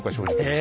え